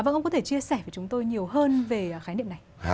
vâng ông có thể chia sẻ với chúng tôi nhiều hơn về khái niệm này